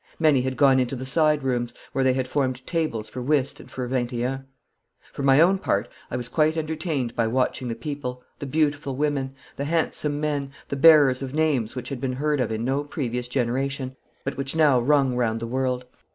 Many had gone into the side rooms, where they had formed tables for whist and for vingt et un. For my own part I was quite entertained by watching the people, the beautiful women, the handsome men, the bearers of names which had been heard of in no previous generation, but which now rung round the world.